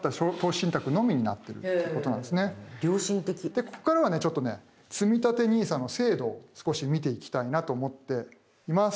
でここからはちょっとねつみたてＮＩＳＡの制度を少し見ていきたいなと思っています。